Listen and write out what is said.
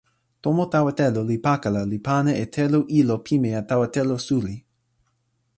tomo tawa telo li pakala li pana e telo ilo pimeja tawa telo suli.